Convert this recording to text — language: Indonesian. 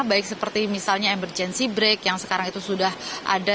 baik seperti misalnya emergency break yang sekarang itu sudah ada